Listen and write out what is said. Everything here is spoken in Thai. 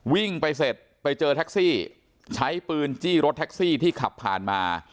วิ่งไปเสร็จไปเจอแท็กซี่ใช้ปืนจี้รถแท็กซี่ที่ขับผ่านมา